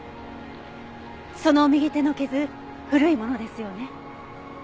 その右手の傷古いものですよね？